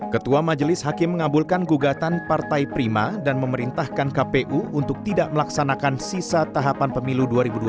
ketua majelis hakim mengabulkan gugatan partai prima dan memerintahkan kpu untuk tidak melaksanakan sisa tahapan pemilu dua ribu dua puluh